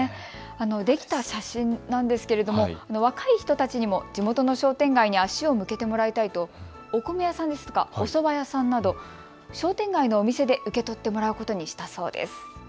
できた写真なんですが若い人たちにも地元の商店街に足を向けてもらいたいとお米屋さん、おそば屋さんなど商店街のお店で受け取ってもらうことにしたそうです。